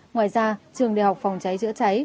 ngoài ra trường đại học phòng trái chữa cháy